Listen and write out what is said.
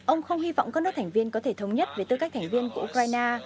ông không hy vọng các nước thành viên có thể thống nhất về tư cách thành viên của ukraine